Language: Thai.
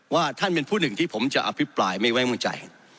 ว่าท่านเป็นผู้หนึ่งที่ผมจะอภิปรายไม่ไว้วางใจ